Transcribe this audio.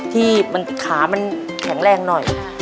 ที่ขามันแข็งแรงหน่อย